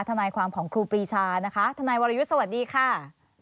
ทนายความของครูปรีชานะคะทนายวรยุทธ์สวัสดีค่ะ